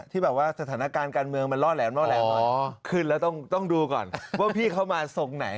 ที่แบบว่าสถานการณ์การเมืองมันรอดแหละแล้วต้องดูก่อนว่าพี่เขามาทรงไหน